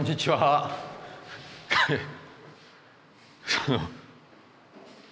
はい。